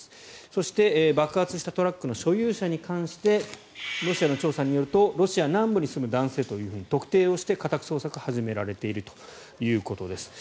そして、爆発したトラックの所有者に関してロシアの調査によるとロシア南部に住む男性と特定をして家宅捜索を始められているということです。